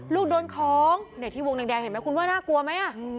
ลูกโดนคล้องเนี่ยที่วงแดงแดงเห็นไหมคุณว่าน่ากลัวไหมอ่ะ